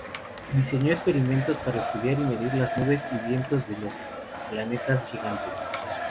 Diseñó experimentos para estudiar y medir las nubes y vientos de los planetas gigantes.